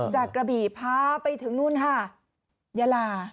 จากกระบิพาไปถึงนู้นค่ะยาลา